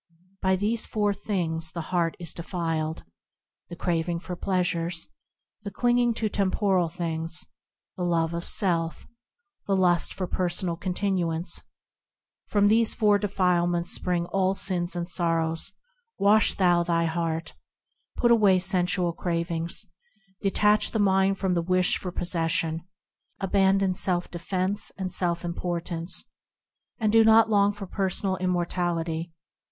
By these four things is the heart defiled– The craving for pleasures, The clinging to temporal things, The love of self, The lust for personal continuance: From these four defilements spring all sins and sorrows Wash thou thy heart ; Put away sensual cravings ; Detach the mind from the wish for possession; Abandon self defence and self importance ; And do not long for personal immortality.